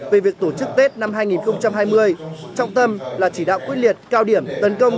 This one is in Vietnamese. về việc tổ chức tết năm hai nghìn hai mươi trọng tâm là chỉ đạo quyết liệt cao điểm tấn công